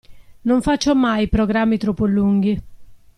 Non faccio mai programmi troppo lunghi.